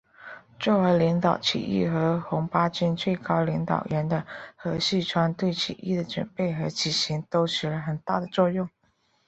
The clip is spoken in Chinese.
作为领导起义和红八军最高领导人的何世昌对起义的准备和举行都起了很大的作用。